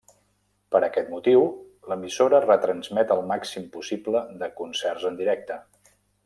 Per aquest motiu, l'emissora retransmet el màxim possible de concerts en directe.